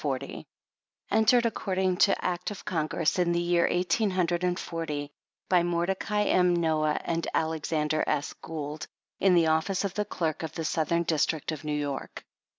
C*/^, Entered according to Act of Congress, in the year eighteen hundred and forty, by Morde cai M. Noah & Alexander S. Gould, in the office of the Clerk of the Southern District of New York.